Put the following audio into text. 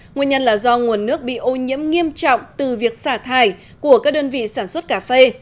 nguyên nhân là do nguồn nước bị ô nhiễm nghiêm trọng từ việc xả thải của các đơn vị sản xuất cà phê